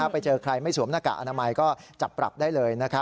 ไปเจอใครไม่สวมหน้ากากอนามัย